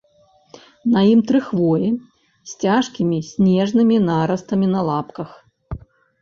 На ім тры хвоі з цяжкімі снежнымі нарастамі на лапках.